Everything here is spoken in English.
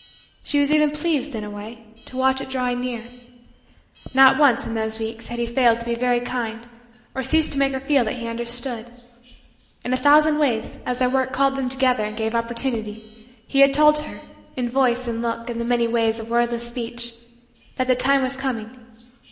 She was even pleased in a way to watch it drawing near. Not once, in those weeks, had he failed to be very kind or ceased to make her feel that he understood. In a hundred ways, as their work called them together and gave opportunity, he had told her, in voice and look and the many ways of wordless speech, that the time was coming.